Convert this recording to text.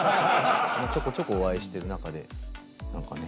ちょこちょこお会いしてる中でなんかね。